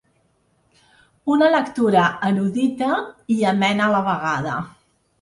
Una lectura erudita i amena a la vegada.